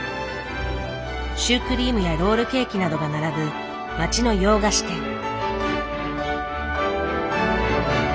シュークリームやロールケーキなどが並ぶ街の洋菓子店。